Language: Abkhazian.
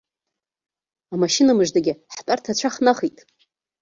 Амашьына мыждагьы ҳтәарҭа ацәа ахнахит.